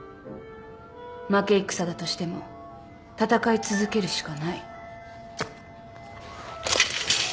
負け戦だとしても戦い続けるしかない。